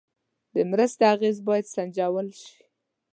د مرستې اغېز باید سنجول شي.